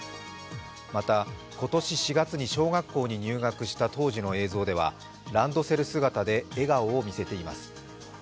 また今年４月に小学校に入学した当時の映像ではランドセル姿で笑顔を見せています。